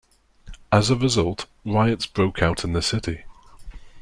As a result, riots broke out in the city.